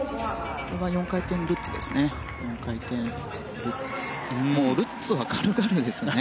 今のは４回転ルッツですね。